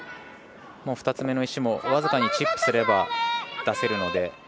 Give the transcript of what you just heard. もう２つ目の石も僅かにチップすれば出せるので。